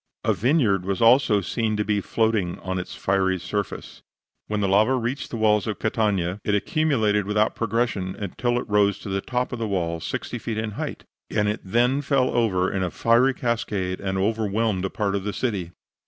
A vineyard was also seen to be floating on its fiery surface. When the lava reached the walls of Catania, it accumulated without progression until it rose to the top of the wall, 60 feet in height, and it then fell over in a fiery cascade and overwhelmed a part of the city.